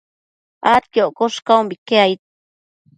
adquioccosh caumbique aid